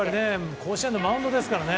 甲子園のマウンドですからね。